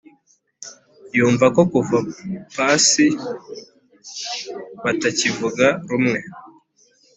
yumva ko kuva pasi batakivuga rumwe